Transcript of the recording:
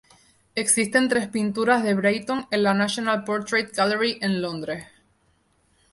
Existen tres pinturas de Brayton en la National Portrait Gallery en Londres.